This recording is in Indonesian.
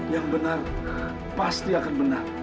yang benar pasti akan benar